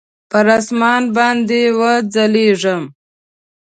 پر اسمان باندي وغځیږم